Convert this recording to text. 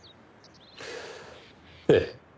ええ。